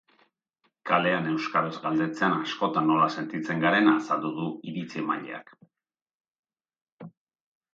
Kalean euskaraz galdetzean askotan nola sentitzen garen azaldu du iritzi-emaileak.